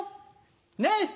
ねっ！